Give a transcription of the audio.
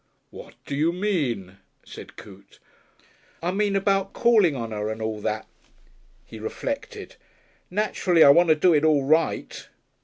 "What do you mean?" said Coote. "I mean about calling on 'er and all that." He reflected. "Naturally, I want to do it all right."